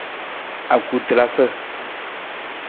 Akutelasa.